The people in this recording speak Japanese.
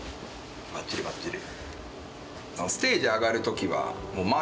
ばっちりばっちり！